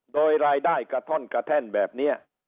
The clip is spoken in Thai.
โดยรายได้กระท่อนกระแท่นแบบนี้